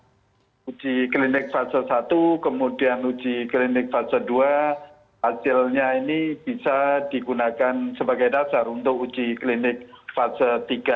uji klinik fase satu kemudian uji klinik fase dua hasilnya ini bisa digunakan sebagai dasar untuk uji klinik fase tiga